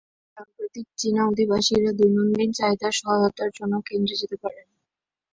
সাম্প্রতিক চীনা অভিবাসীরা দৈনন্দিন চাহিদার সহায়তার জন্য কেন্দ্রে যেতে পারেন।